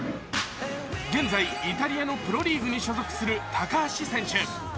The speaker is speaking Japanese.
現在、イタリアのプロリーグに所属する高橋選手。